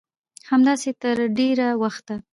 همداسې تر ډېره وخته